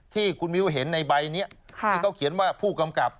ที่คุณมิ้วเห็นในใบนี้ที่เขาเขียนว่าผู้กำกับ